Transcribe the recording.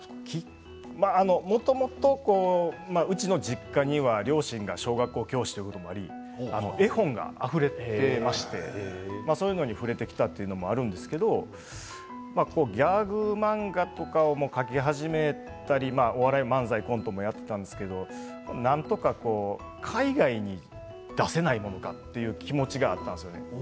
もともとうちの実家には両親が小学校教師ということもあり絵本があふれていましてそういうのに触れてきたというのもあるんですけれどギャグ漫画とかも描き始めたりお笑い漫才コントもやっていたんですけれどもなんとか海外に出せないものかという気持ちがあったんですよね。